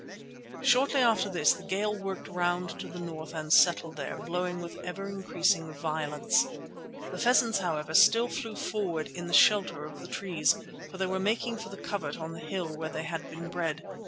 Shortly after this the gale worked round to the north and settled there, blowing with ever increasing violence. The pheasants, however, still flew forward in the shelter of the trees, for they were making for the covert on the hill, where they had been bred.